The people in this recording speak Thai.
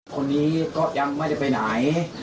คนนี้ก็ยังไม่ได้ไปไหน